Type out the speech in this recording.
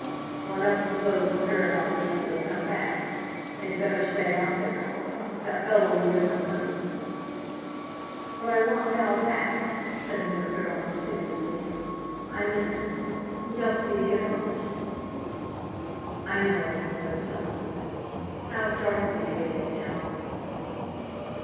Well, I don't suppose they'll hear about this till they come back. They'd better stay out there. That fellow will give her money." "But I want Val back," said Winifred almost piteously; "I miss him, he helps me to get on." "I know," murmured Soames. "How's Dartie behaving now?"